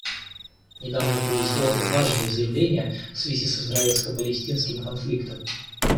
Недавно были сделаны важные заявления в связи с израильско-палестинским конфликтом.